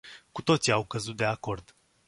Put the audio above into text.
Cu toții au căzut de acord.